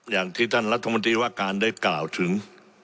อย่างที่ท่านรัฐมนตรีว่าการได้กล่าวถึง